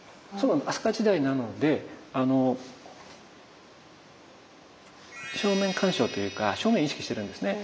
飛鳥時代なのであの正面観照というか正面意識してるんですね。